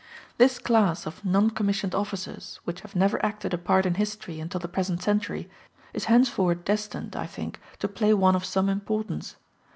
This class of non commissioned officers which have never acted a part in history until the present century, is henceforward destined, I think, to play one of some importance.